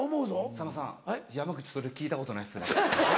さんまさん山口それ聞いたことないですね。